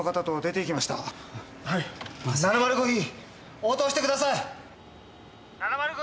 応答してください！